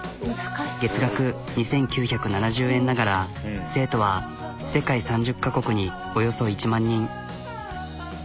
月額２、９７０円ながら生徒は世界３０カ国におよそ１万人。